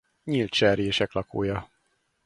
Nyílt cserjések lakója.